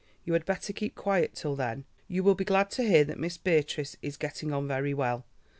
You had better keep quiet till then. You will be glad to hear that Miss Beatrice is getting on very well.